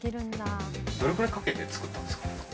どのくらいかけて作ったんですか？